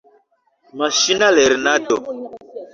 Maŝina lernado.